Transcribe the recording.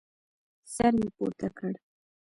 سر مې پورته کړ.